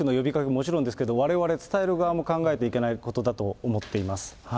もちろんですけれども、われわれ伝える側も考えていかなきゃいけないことだと思っています。